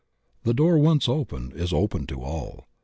The door once open, it is open to all.